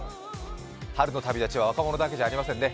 春の旅立ちは若者だけじゃありませんね。